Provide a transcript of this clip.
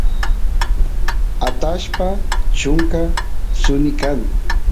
atashpa chunka suni kan